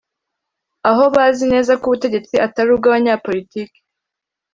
aho bazi neza ko ubutegetsi atari ubw’abanyapolitike